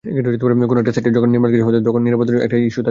কোনো একটা সাইটে যখন নির্মাণকাজ হয়, তখন নিরাপত্তার একটা ইস্যু থাকে।